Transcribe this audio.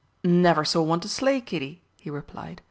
"Never saw one to slay, Kiddie," he replied.